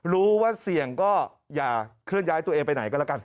รู้ว่าเสี่ยงก็อย่าเคลื่อนย้ายตัวเองไปไหนก็แล้วกัน